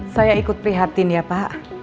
saya ikut prihatin ya pak